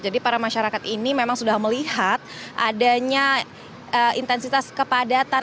jadi para masyarakat ini memang sudah melihat adanya intensitas kepadatan